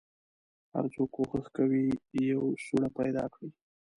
هر څوک کوښښ کوي یوه سوړه پیدا کړي.